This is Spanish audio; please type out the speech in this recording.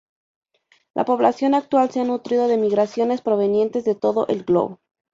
La población actual se ha nutrido de migraciones provenientes de todo el globo.